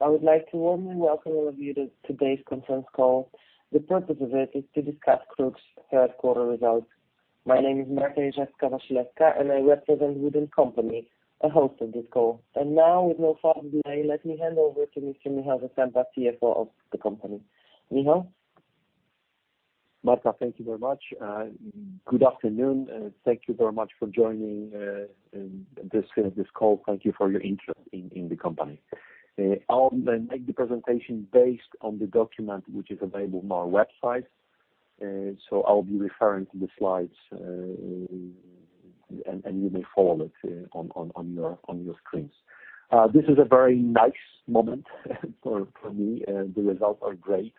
I would like to warmly welcome all of you to today's conference call. The purpose of it is to discuss KRUK's third quarter results. My name is Marta Jeżewska-Wasilewska, and I represent WOOD & Company, the host of this call. Now, with no further delay, let me hand over to Mr. Michal Zasępa, CFO of the company. Michal? Marta, thank you very much. Good afternoon, and thank you very much for joining this call. Thank you for your interest in the company. I'll make the presentation based on the document which is available on our website. So I'll be referring to the slides, and you may follow it on your screens. This is a very nice moment for me. The results are great.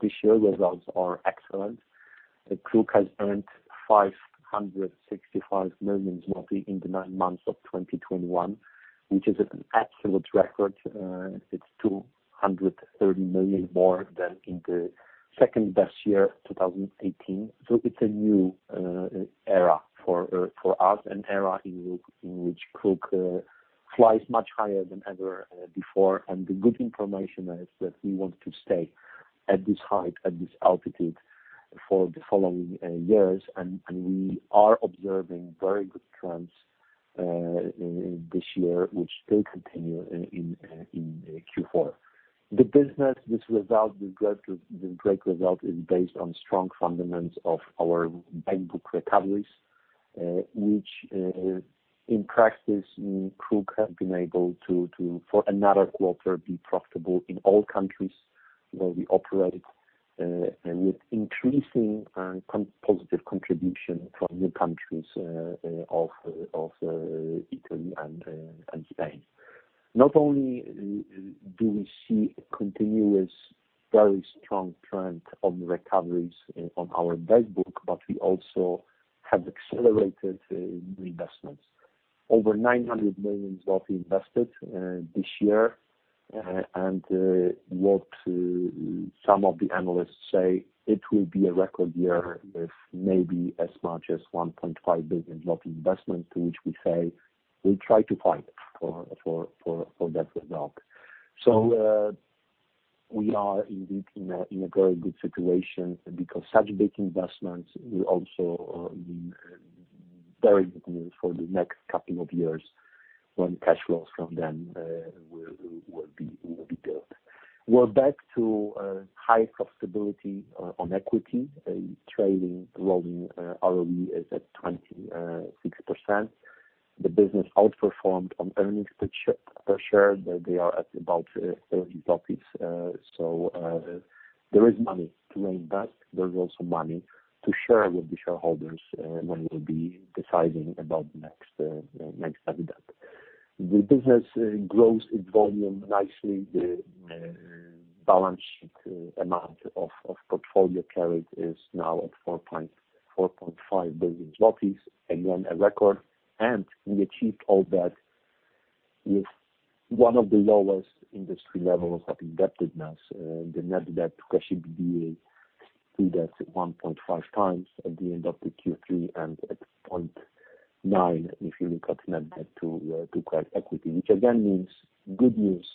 This year results are excellent. KRUK has earned 565 million zloty in the nine months of 2021, which is an absolute record. It's 230 million more than in the second best year, 2018. It's a new era for us, an era in which KRUK flies much higher than ever before. The good information is that we want to stay at this height, at this altitude for the following years. We are observing very good trends in this year, which still continue in Q4. The business, this result, the great result is based on strong fundamentals of our back book recoveries, which in practice, KRUK has been able to for another quarter be profitable in all countries where we operate, with increasing and positive contribution from new countries of Italy and Spain. Not only do we see a continuous, very strong trend on recoveries on our back book, but we also have accelerated new investments. Over 900 million invested this year. Some of the analysts say it will be a record year with maybe as much as 1.5 billion investments, to which we say we'll try to fight for that result. We are indeed in a very good situation, because such big investments will also be very good news for the next couple of years when cash flows from them will be built. We're back to high profitability on equity. Trailing rolling ROE is at 26%. The business outperformed on earnings per share. They are at about 30. There is money to reinvest. There's also money to share with the shareholders, when we'll be deciding about next dividend. The business grows its volume nicely. The balance sheet amount of portfolio carried is now at 4.5 billion zlotys, again a record. We achieved all that with one of the lowest industry levels of indebtedness. The net debt to cash EBITDA is 1.5x at the end of the Q3, and 0.9 if you look at net debt to core equity. Which again means good news,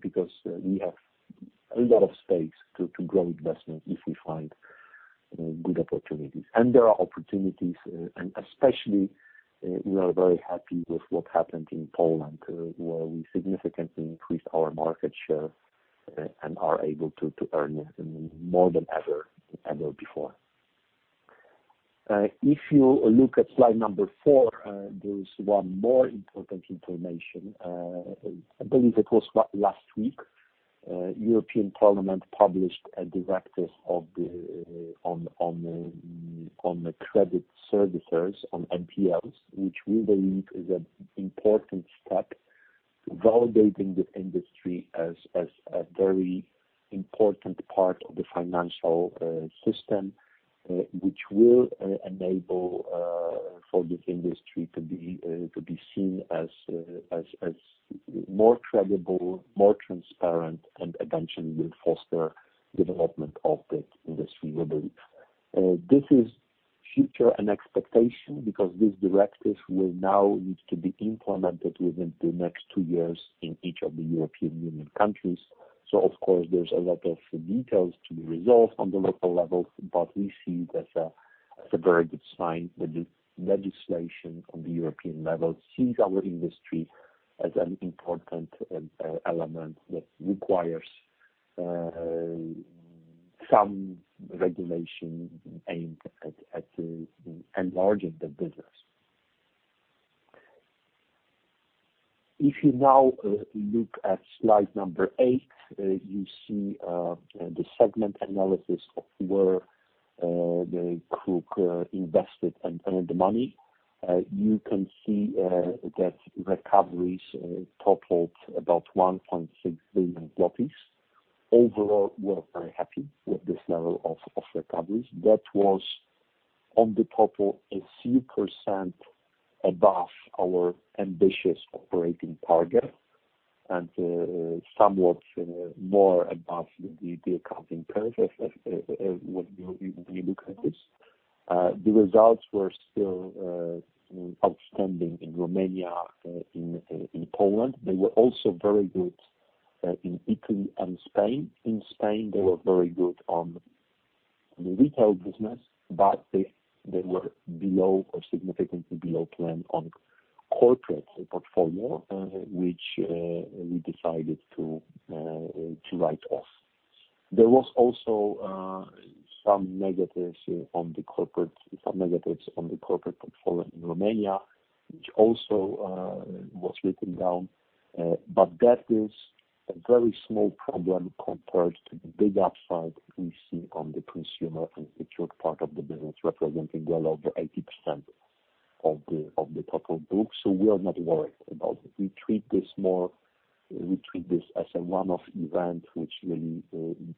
because we have a lot of space to grow investments if we find good opportunities. There are opportunities, and especially, we are very happy with what happened in Poland, where we significantly increased our market share, and are able to earn more than ever before. If you look at slide number four, there is one more important information. I believe it was last week, European Parliament published a directive on the credit servicers on NPLs, which we believe is an important step validating the industry as a very important part of the financial system, which will enable for this industry to be seen as more credible, more transparent, and eventually will foster development of the industry, we believe. This is future and expectation because this directive will now need to be implemented within the next two years in each of the European Union countries. Of course there's a lot of details to be resolved on the local level, but we see it as a very good sign that the legislation on the European level sees our industry as an important element that requires some regulation aimed at enlarging the business. If you now look at slide number eight, you see the segment analysis of where the KRUK invested and earned the money. You can see that recoveries totaled about 1.6 billion. Overall, we're very happy with this level of recoveries. That was on the total a few percent above our ambitious operating target, and somewhat more above the accounting period when you look at this. The results were still outstanding in Romania, in Poland. They were also very good in Italy and Spain. In Spain, they were very good on the retail business, but they were below or significantly below plan on corporate portfolio, which we decided to write off. There was also some negatives on the corporate portfolio in Romania, which also was written down. That is a very small problem compared to the big upside we see on the consumer and secured part of the business, representing well over 80% of the total book. We are not worried about it. We treat this as a one-off event, which really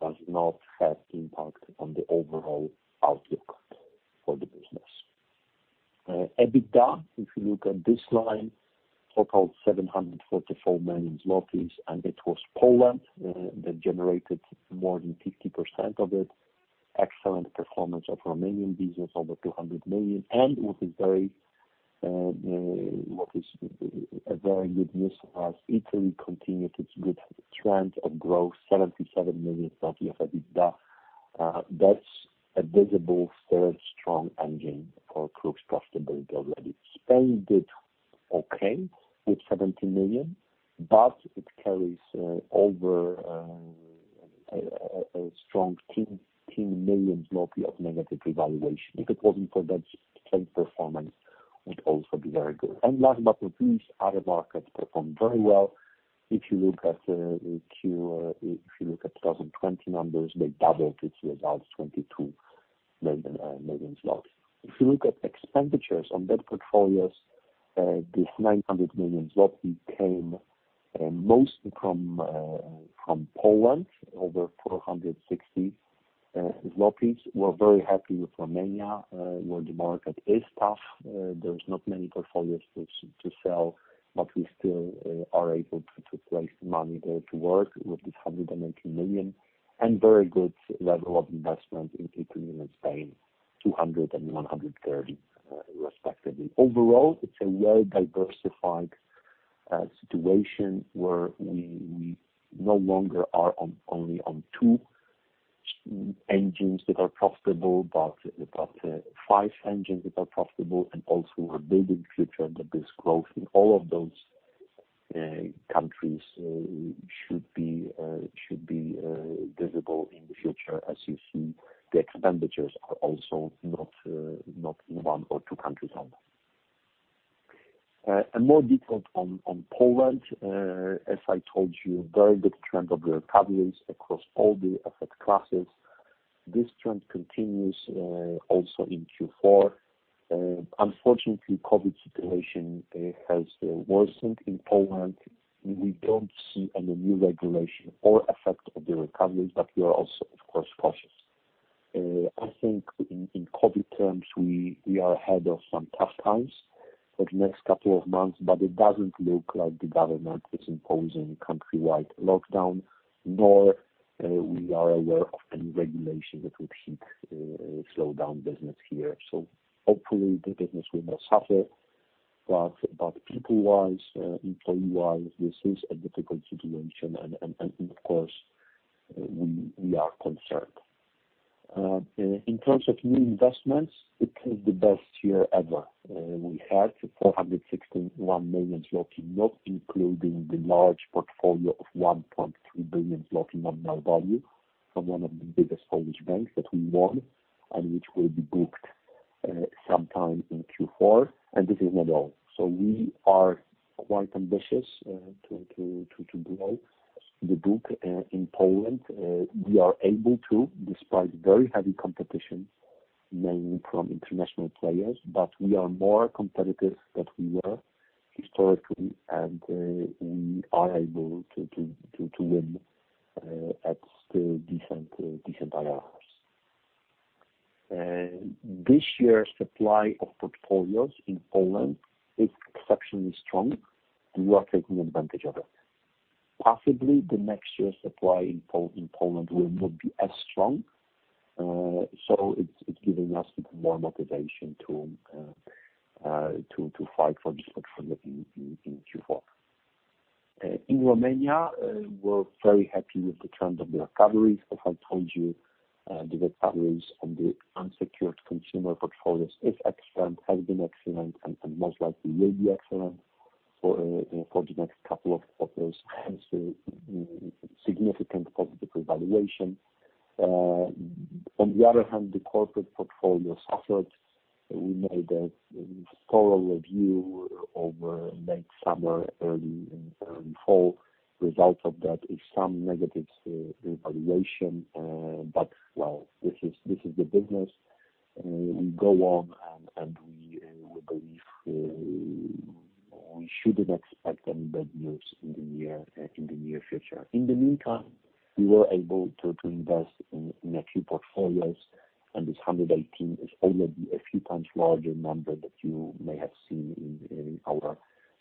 does not have impact on the overall outlook for the business. EBITDA, if you look at this line, total 744 million zlotys, and it was Poland that generated more than 50% of it. Excellent performance of Romanian business, over 200 million. With very good news, as Italy continued its good trend of growth, 77 million of EBITDA. That's a visible third strong engine for KRUK profitability already. Spain did okay with PLN 17 million, but it carries over a strong 10 million of negative revaluation. If it wasn't for that, Spain performance would also be very good. Last but not least, other markets performed very well. If you look at 2020 numbers, they doubled its results, 22 million. If you look at expenditures on debt portfolios, this 900 million zloty came mostly from Poland, over 460 million zlotys. We're very happy with Romania, where the market is tough. There's not many portfolios to sell, but we still are able to place money there to work with this 119 million. Very good level of investment in Italy and Spain, 200 million and 130 million, respectively. Overall, it's a well-diversified situation where we no longer are only on two engines that are profitable, but five engines that are profitable. We're building future that this growth in all of those countries should be visible in the future. As you see, the expenditures are also not in one or two countries only. More detail on Poland. As I told you, very good trend of recoveries across all the asset classes. This trend continues also in Q4. Unfortunately, COVID situation has worsened in Poland. We don't see any new regulation or affect the recoveries, but we are also, of course, cautious. I think in COVID terms, we are ahead of some tough times for the next couple of months, but it doesn't look like the government is imposing countrywide lockdown, nor we are aware of any regulation that would hit slow down business here. Hopefully the business will not suffer. But people-wise, employee-wise, this is a difficult situation. Of course, we are concerned. In terms of new investments, it was the best year ever. We had 461 million zlotys, not including the large portfolio of 1.3 billion zlotys nominal value from one of the biggest Polish banks that we won, and which will be booked sometime in Q4. This is not all. We are quite ambitious to grow the book in Poland. We are able to, despite very heavy competition, mainly from international players, but we are more competitive than we were historically, and we are able to win at decent IRRs. This year's supply of portfolios in Poland is exceptionally strong. We are taking advantage of it. Possibly the next year's supply in Poland will not be as strong. It's giving us more motivation to fight for this portfolio in Q4. In Romania, we're very happy with the trend of recoveries. As I told you, the recoveries on the unsecured consumer portfolios is excellent, has been excellent, and most likely will be excellent for the next couple of years. Hence, a significant positive revaluation. On the other hand, the corporate portfolio suffered. We made a thorough review over late summer, early in fall. Result of that is some negative revaluation. Well, this is the business. We believe we shouldn't expect any bad news in the near future. In the meantime, we were able to invest in a few portfolios, and this 118 is already a few times larger number that you may have seen in our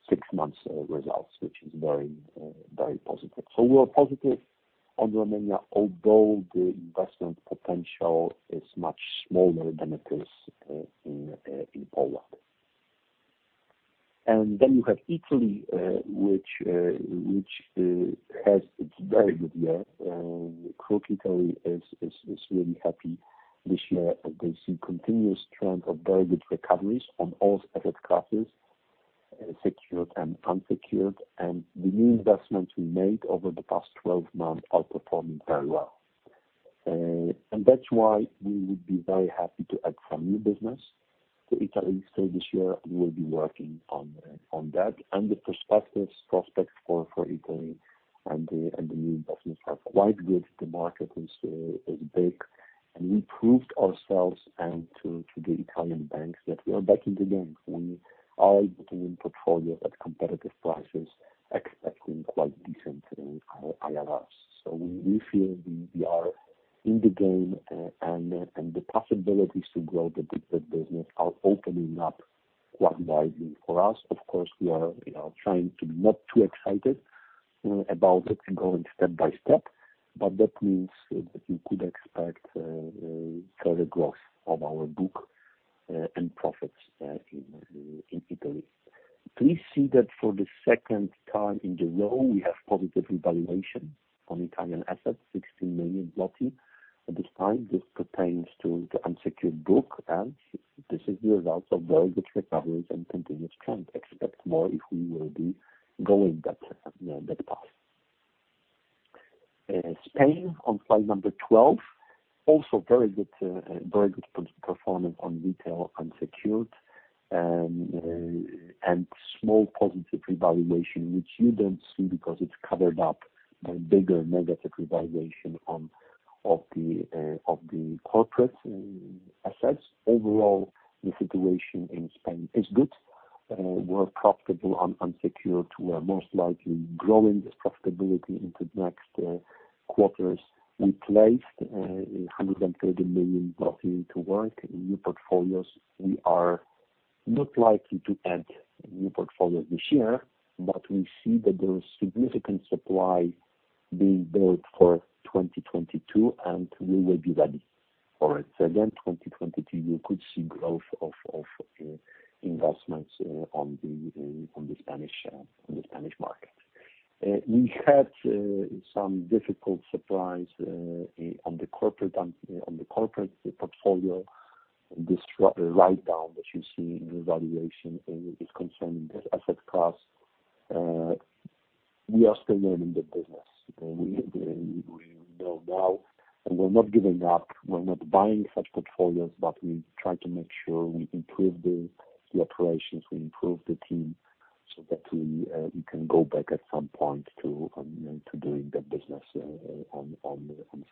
six months results, which is very positive. We're positive on Romania, although the investment potential is much smaller than it is in Poland. Then you have Italy, which has its very good year. KRUK Italy is really happy this year that they see continuous trend of very good recoveries on all asset classes, secured and unsecured. The new investments we made over the past 12 months are performing very well. That's why we would be very happy to add some new business to Italy. This year we will be working on that. The prospects for Italy and the new investments are quite good. The market is big, and we proved ourselves to the Italian banks that we are back in the game. We are looking in portfolio at competitive prices, expecting quite decent IRRs. We feel we are in the game, and the possibilities to grow the business are opening up quite widely for us. Of course, we are, you know, trying to be not too excited about it and going step by step, but that means that we could expect further growth of our book and profits in Italy. Please see that for the second time in a row, we have positive revaluation on Italian assets, 16 million zloty. At this time, this pertains to the unsecured book, and this is the result of very good recoveries and continuous trend. Expect more if we will be going that path. Spain on slide number 12, also very good performance on retail unsecured and small positive revaluation, which you don't see because it's covered up by bigger negative revaluation on the corporate assets. Overall, the situation in Spain is good. We're profitable on unsecured. We're most likely growing this profitability into the next quarters. We placed PLN 130 million to work in new portfolios. We are not likely to add new portfolios this year, but we see that there is significant supply being built for 2022, and we will be ready for it. Again, 2022, you could see growth of investments on the Spanish market. We had some difficult surprise on the corporate portfolio. This write-down that you see in the valuation is concerning the asset class. We are still learning the business. We know now, and we're not giving up. We're not buying such portfolios, but we try to make sure we improve the operations, we improve the team so that we can go back at some point to doing the business on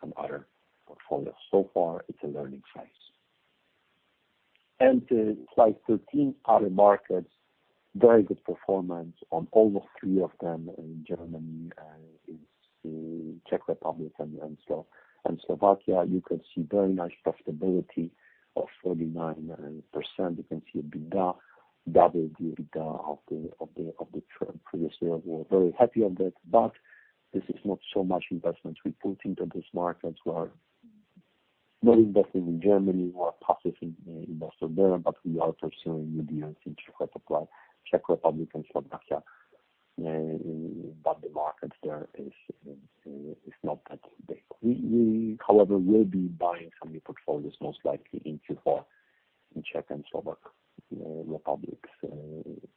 some other portfolios. So far it's a learning phase. Slide 13, other markets, very good performance on all three of them. Germany, Czech Republic and Slovakia, you can see very nice profitability of 49%. You can see EBITDA doubled the EBITDA of the previous year. We're very happy on that, but this is not so much investments we put into those markets. We are not investing in Germany. We are passive investor there, but we are pursuing new deals in Czech Republic and Slovakia. But the market there is not that big. We, however, will be buying some new portfolios most likely in Q4 in Czech and Slovak Republics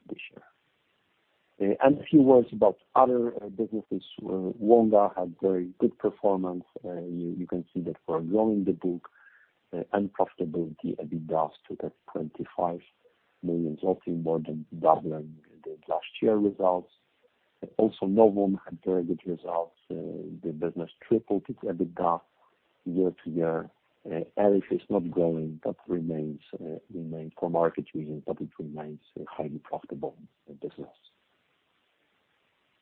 this year. A few words about other businesses. Wonga had very good performance. You can see that we're growing the book and profitability. EBITDA is 225 million, more than doubling the last year results. Also, Novum had very good results. The business tripled its EBITDA year-over-year. ERIF is not growing. That remains for market reasons, but it remains a highly profitable business.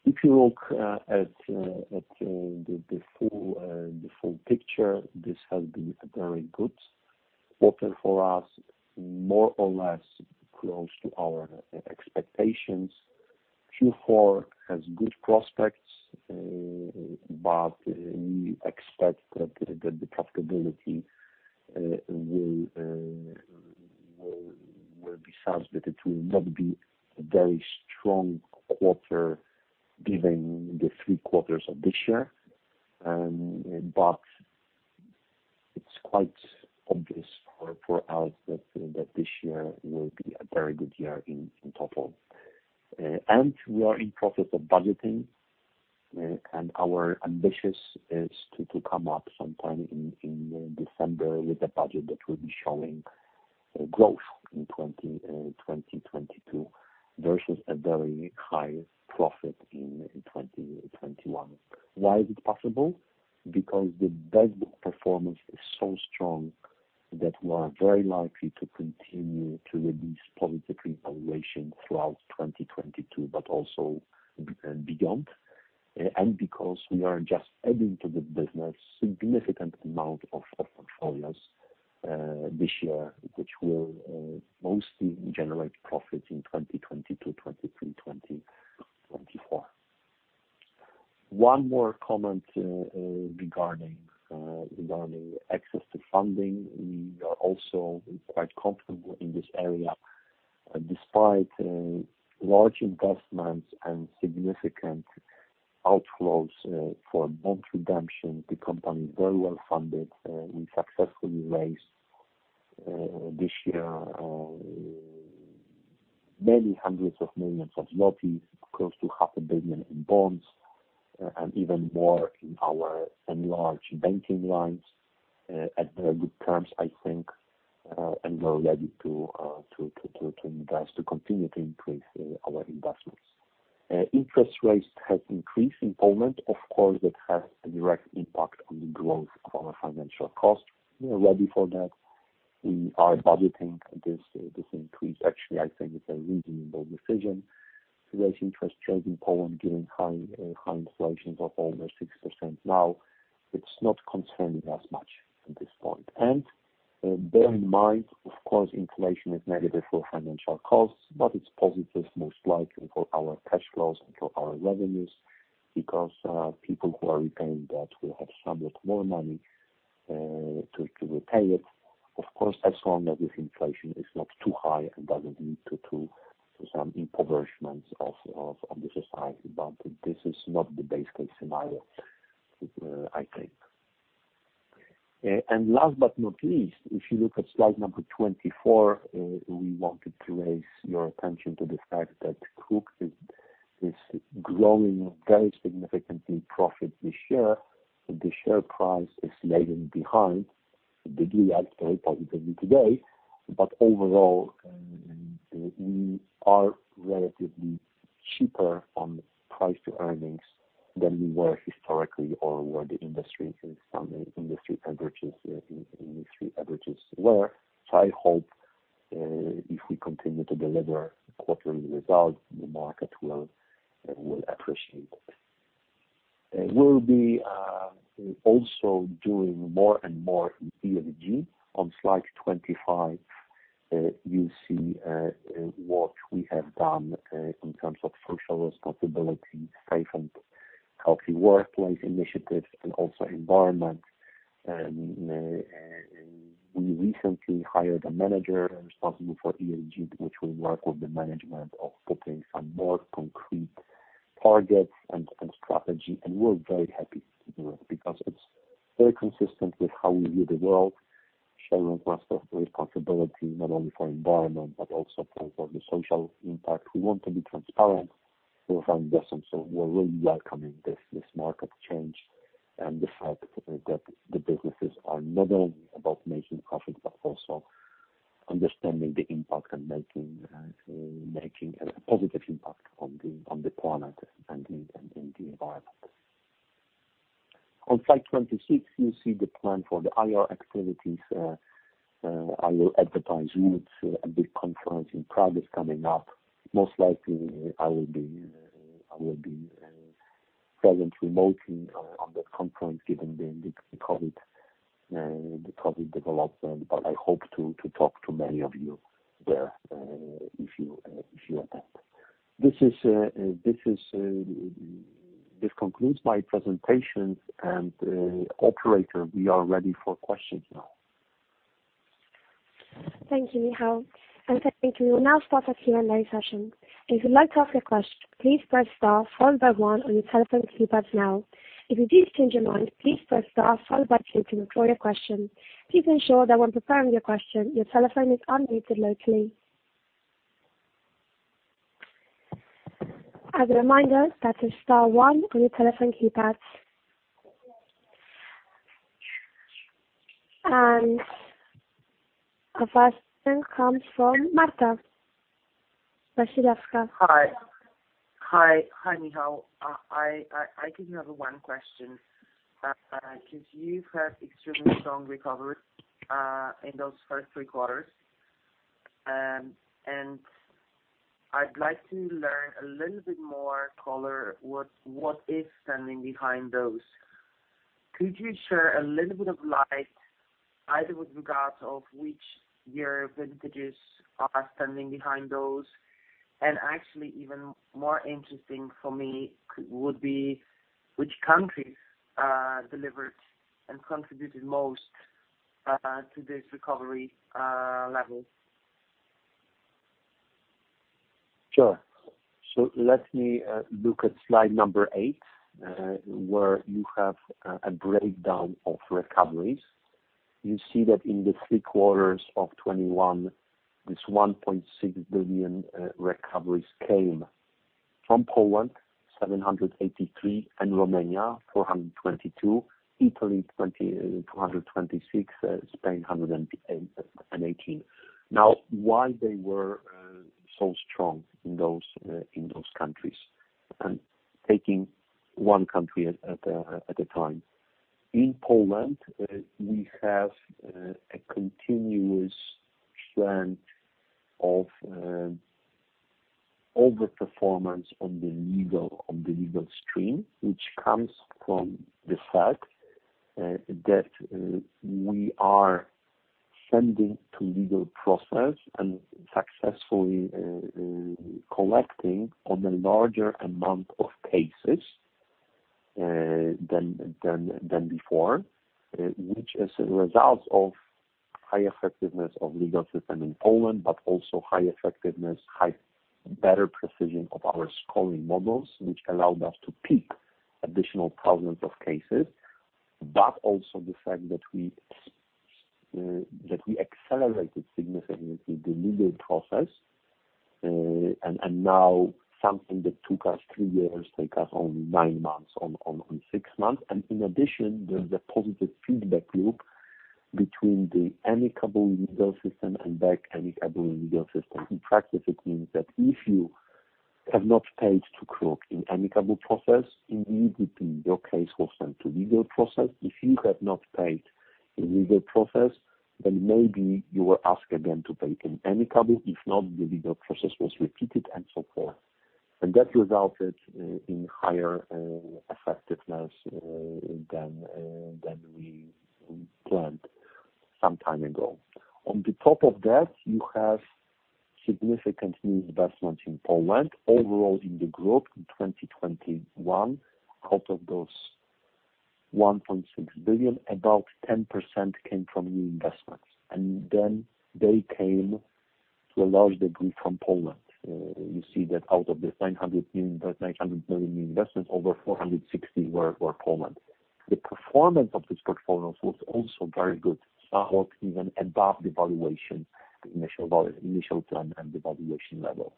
If you look at the full picture, this has been a very good quarter for us, more or less close to our expectations. Q4 has good prospects, but we expect that the profitability will be subdued. It will not be a very strong quarter given the three quarters of this year. It's quite obvious for us that this year will be a very good year in total. We are in process of budgeting, and our ambition is to come up sometime in December with a budget that will be showing growth in 2022 versus a very high profit in 2021. Why is it possible? Because the back book performance is so strong that we are very likely to continue to release positive revaluation throughout 2022, but also beyond. Because we are just adding to the business significant amount of portfolios this year, which will mostly generate profits in 2022 to 2023, 2024. One more comment regarding access to funding. We are also quite comfortable in this area. Despite large investments and significant outflows for bond redemption, the company is very well funded. We successfully raised this year many hundreds of millions of złoty, close to half a billion złoty in bonds, and even more in our enlarged banking lines, at very good terms, I think. We're ready to invest, to continue to increase our investments. Interest rates have increased in Poland. Of course, that has a direct impact on the growth of our financial costs. We are ready for that. We are budgeting this increase. Actually, I think it's a reasonable decision to raise interest rates in Poland given high inflation of over 6% now. It's not concerning us much at this point. Bear in mind, of course, inflation is negative for financial costs, but it's positive most likely for our cash flows and for our revenues because people who are repaying debt will have somewhat more money to repay it. Of course, as long as this inflation is not too high and doesn't lead to some impoverishment of the society, but this is not the base case scenario, I think. Last but not least, if you look at slide number 24, we wanted to raise your attention to the fact that KRUK is growing very significantly in profit this year. The share price is lagging behind. It did react very positively today. Overall, we are relatively cheaper on price to earnings than we were historically or were the industry from industry averages, industry averages were. I hope if we continue to deliver quarterly results, the market will appreciate that. We'll be also doing more and more ESG. On slide 25, you see what we have done in terms of social responsibility, safe and healthy workplace initiatives and also environment. We recently hired a manager responsible for ESG, which will work with the management of putting some more concrete targets and strategy. We're very happy to do it because it's very consistent with how we view the world. Shareholders have responsibility not only for environment but also for the social impact. We want to be transparent. We're finding that some... We're really welcoming this market change and the fact that the businesses are not only about making profit, but also understanding the impact and making a positive impact on the planet and in the environment. On slide 26, you see the plan for the IR activities. I will advertise WOOD's, a big conference in Prague is coming up. Most likely, I will be present remotely on that conference given the COVID development. I hope to talk to many of you there, if you attend. This concludes my presentation, and operator, we are ready for questions now. Thank you, Michal. Thank you. We'll now start the Q&A session. If you'd like to ask a question, please press star followed by one on your telephone keypads now. If you do change your mind, please press star followed by two to withdraw your question. Please ensure that when preparing your question, your telephone is unmuted locally. As a reminder, that is star one on your telephone keypads. Our first comes from Marta Jeżewska-Wasilewska. Hi, Michal. I could have one question because you've had extremely strong recovery in those first three quarters. I'd like to learn a little bit more color what is standing behind those. Could you shed a little bit of light, either with regard to which year vintages are standing behind those? Actually even more interesting for me would be which countries delivered and contributed most to this recovery levels? Sure. Let me look at slide number eight, where you have a breakdown of recoveries. You see that in the three quarters of 2021, this 1.6 billion recoveries came from Poland, 783 million, and Romania, 422 million, Italy, 226 million, Spain, 108 million, and 18 million. Now, why they were so strong in those countries? Taking one country at a time. In Poland, we have a continuous trend of overperformance on the legal stream, which comes from the fact that we are sending to legal process and successfully collecting on a larger amount of cases than before, which is a result of high effectiveness of legal system in Poland, but also high effectiveness, better precision of our scoring models, which allowed us to pick additional thousands of cases. Also the fact that we accelerated significantly the legal process, and now something that took us three years takes us only nine months, or six months. In addition, there's a positive feedback loop between the amicable legal system and back amicable legal system. In practice, it means that if you have not paid to KRUK in amicable process, immediately your case was sent to legal process. If you have not paid in legal process, then maybe you were asked again to pay in amicable. If not, the legal process was repeated and so forth. That resulted in higher effectiveness than we planned some time ago. On top of that, you have significant new investments in Poland. Overall, in the group in 2021, out of those 1.6 billion, about 10% came from new investments, and then they came to a large degree from Poland. You see that out of the 900 million investments, over 460 were Poland. The performance of these portfolios was also very good, somewhat even above the valuation, initial plan and the valuation level.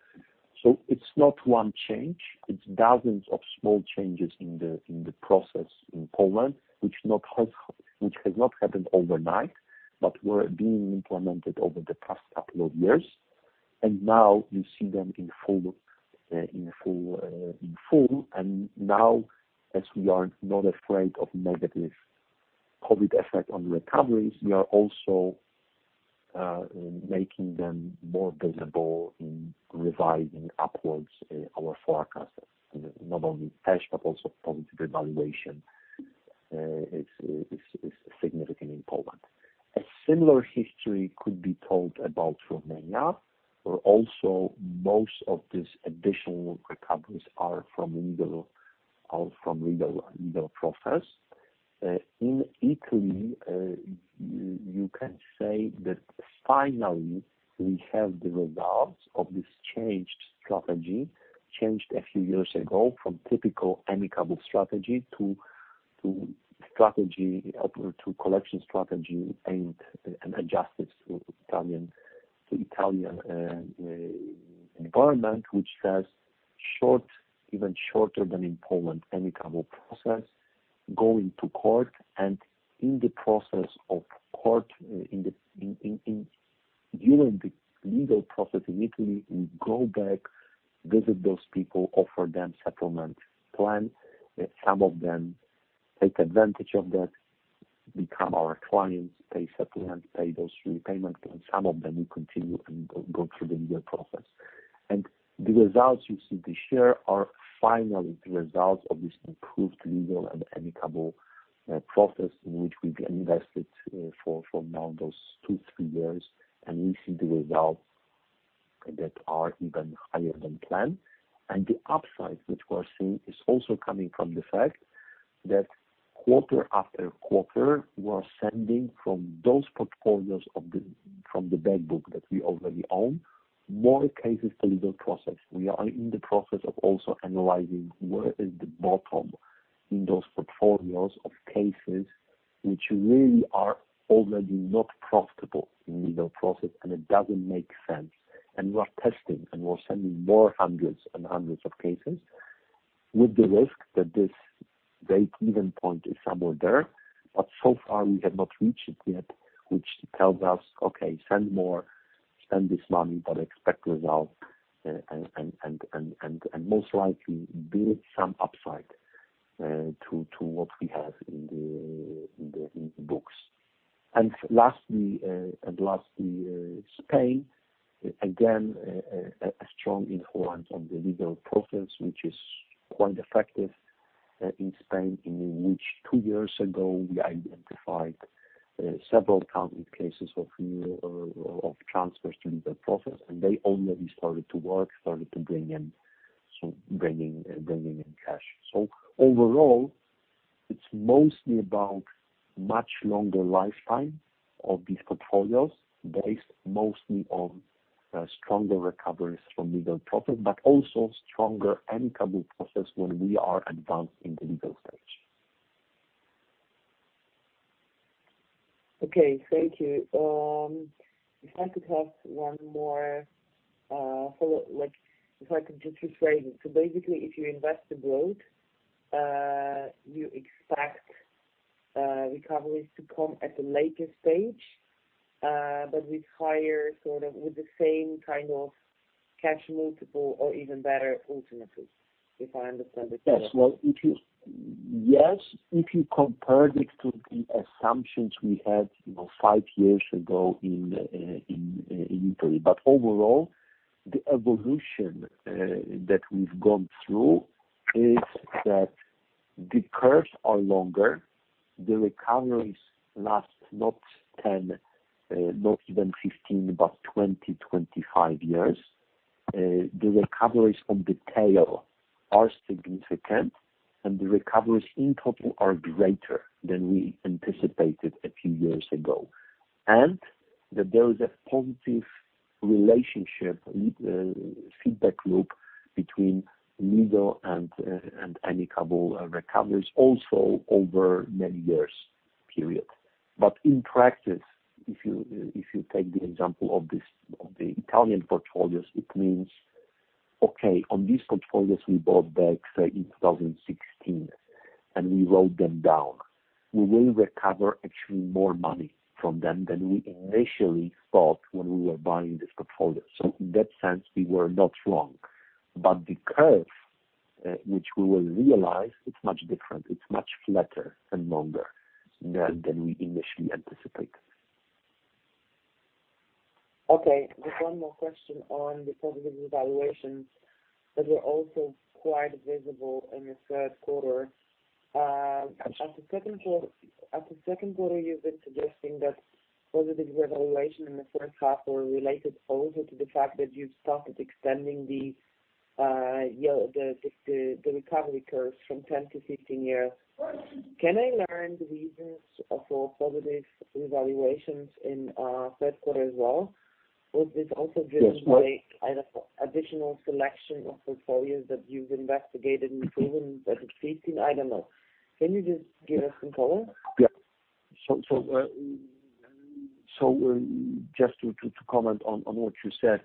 It's not one change. It's dozens of small changes in the process in Poland, which has not happened overnight, but were being implemented over the past couple of years. Now you see them in full. Now, as we are not afraid of negative COVID effect on recoveries, we are also making them more visible in revising upwards our forecasts. Not only cash, but also positive valuation is significant in Poland. A similar history could be told about Romania, where also most of these additional recoveries are from legal process. In Italy, you can say that finally we have the results of this changed strategy, changed a few years ago from typical amicable strategy to collection strategy aimed and adjusted to Italian environment, which has short, even shorter than in Poland, amicable process going to court. In the process of court, during the legal process in Italy, we go back, visit those people, offer them settlement plan. Some of them take advantage of that, become our clients, pay settlement, pay those repayments, and some of them will continue and go through the legal process. The results you see this year are finally the results of this improved legal and amicable process, which we've invested for now those two to three years, and we see the results that are even higher than planned. The upside which we are seeing is also coming from the fact that quarter after quarter we are sending from those portfolios of the back book that we already own, more cases to legal process. We are in the process of also analyzing where is the bottom in those portfolios of cases which really are already not profitable in legal process, and it doesn't make sense. We're testing, and we're sending more hundreds and hundreds of cases with the risk that this break-even point is somewhere there. So far we have not reached it yet, which tells us, okay, send more, spend this money, but expect results and most likely build some upside to what we have in the books. Lastly, Spain, again, a strong influence of the legal process, which is quite effective in Spain, in which two years ago we identified several thousand cases of transfers to legal process, and they already started to bring in some bringing in cash. Overall, it's mostly about much longer lifetime of these portfolios based mostly on stronger recoveries from legal process, but also stronger amicable process when we are advanced in the legal stage. Okay. Thank you. If I could have one more, like, if I could just rephrase it. Basically if you invest in growth, you expect recoveries to come at a later stage, but with the same kind of cash multiple or even better ultimately, if I understand it correctly. Yes. Well, if you compare it to the assumptions we had, you know, five years ago in Italy. Overall, the evolution that we've gone through is that the curves are longer, the recoveries last not 10, not even 15, but 20-25 years. The recoveries on the tail are significant, and the recoveries in total are greater than we anticipated a few years ago. There is a positive relationship, feedback loop between mid and late recoveries also over many-year period. In practice, if you take the example of the Italian portfolios, it means, okay, on these portfolios we bought back, say, in 2016, and we wrote them down. We will recover actually more money from them than we initially thought when we were buying these portfolios. In that sense, we were not wrong. The curve which we will realize, it's much different. It's much flatter and longer than we initially anticipate. Okay. Just one more question on the positive evaluations that were also quite visible in the third quarter. At the second quarter, you've been suggesting that positive evaluation in the first half were related also to the fact that you've started extending the recovery curves from 10 to 15 years. Can I learn the reasons for positive evaluations in third quarter as well? Was this also driven by either additional selection of portfolios that you've investigated in Poland that succeeding? I don't know. Can you just give us some color? Yes. Just to comment on what you said,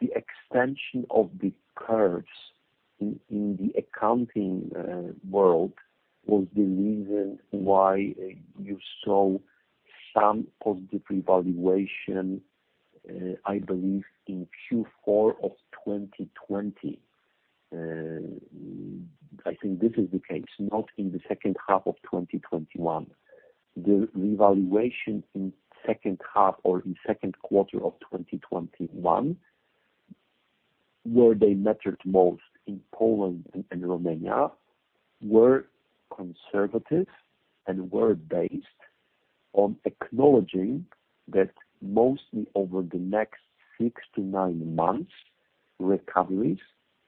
the extension of the curves in the accounting world was the reason why you saw some positive revaluation, I believe in Q4 of 2020. I think this is the case, not in the second half of 2021. The revaluation in second half or in second quarter of 2021, where they mattered most in Poland and Romania, were conservative and were based on acknowledging that mostly over the next six to nine months, recoveries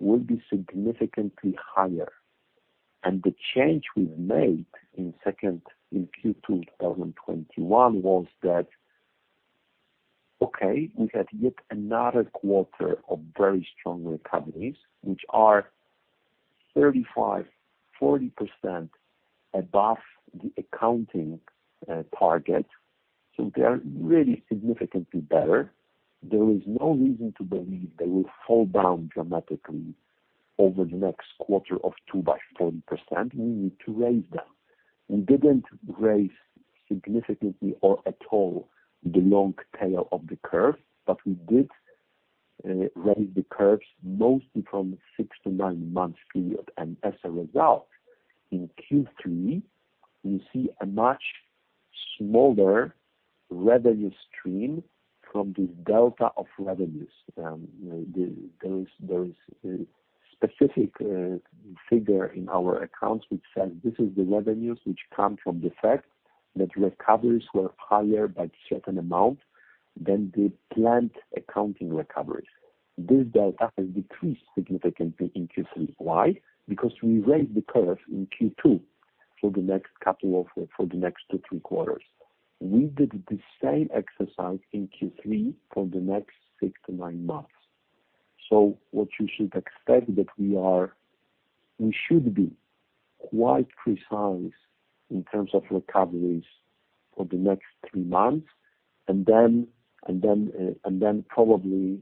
will be significantly higher. The change we've made in Q2 2021 was that, okay, we had yet another quarter of very strong recoveries, which are 35%-40% above the accounting target. They are really significantly better. There is no reason to believe they will fall down dramatically over the next quarter or two by 40%. We need to raise them. We didn't raise significantly or at all the long tail of the curve, but we did raise the curves mostly from six to nine months period. As a result, in Q3, we see a much smaller revenue stream from this delta of revenues. There is a specific figure in our accounts which says this is the revenues which come from the fact that recoveries were higher by certain amount than the planned accounting recoveries. This delta has decreased significantly in Q3. Why? Because we raised the curve in Q2 for the next two to three quarters. We did the same exercise in Q3 for the next six to nine months. What you should expect is that we should be quite precise in terms of recoveries for the next three months. Then probably,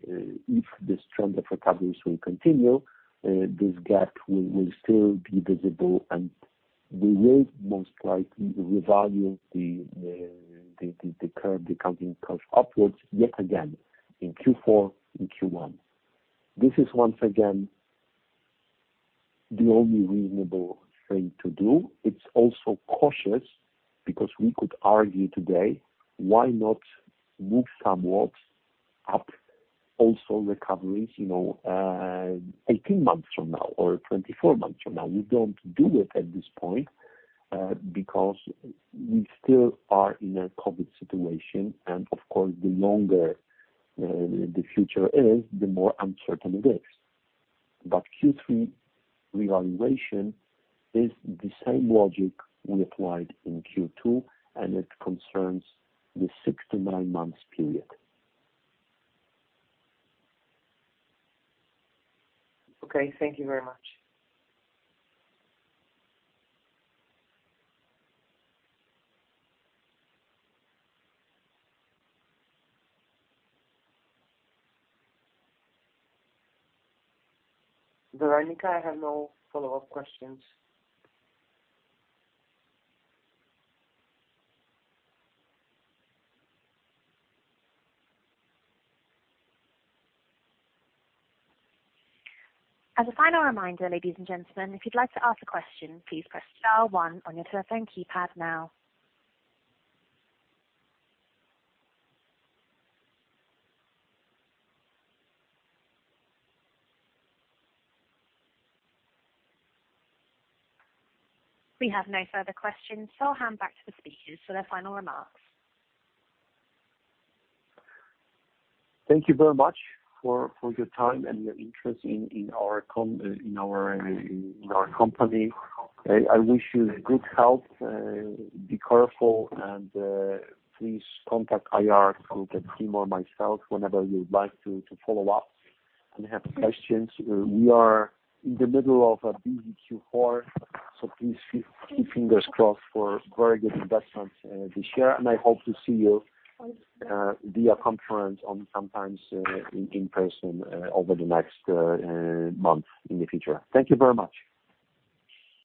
if this trend of recoveries will continue, this gap will still be visible. We will most likely revalue the curve, the accounting curve upwards yet again in Q4 and Q1. This is once again the only reasonable thing to do. It's also cautious because we could argue today why not move somewhat up also recoveries, you know, 18 months from now or 24 months from now. We don't do it at this point because we still are in a COVID situation. Of course, the longer the future is, the more uncertain it is. Q3 revaluation is the same logic we applied in Q2, and it concerns the six to nine months period. Okay, thank you very much. Weronika, I have no follow-up questions. As a final reminder, ladies and gentlemen, if you'd like to ask a question, please press star one on your telephone keypad now. We have no further questions, so I'll hand back to the speakers for their final remarks. Thank you very much for your time and your interest in our company. I wish you good health. Be careful and please contact IR group and team or myself whenever you would like to follow up and have questions. We are in the middle of a busy Q4, so please keep fingers crossed for very good investments this year. I hope to see you via conference or sometimes in person over the next month in the future. Thank you very much.